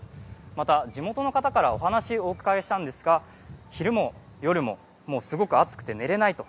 また、地元の方からお話をお伺いしたんですが昼も夜もすごく暑くて眠れないと。